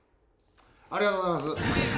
ありがとうございます。